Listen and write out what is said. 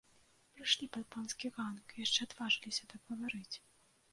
Прыйшлі пад панскі ганак і яшчэ адважыліся так гаварыць!